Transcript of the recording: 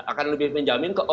akan lebih menjamin ke